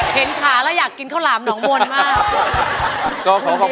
เห็นค่ะแล้วอยากกินข้าวหล่ามน้องมวลมาก